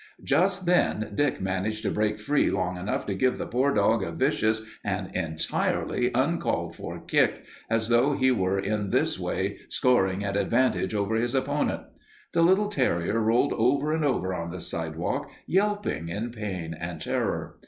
Just then Dick managed to break free long enough to give the poor dog a vicious and entirely uncalled for kick, as though he were in this way scoring an advantage over his opponent. The little terrier rolled over and over on the sidewalk, yelping in pain and terror.